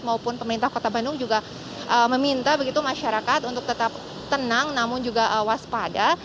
maupun pemerintah kota bandung juga meminta begitu masyarakat untuk tetap tenang namun juga waspada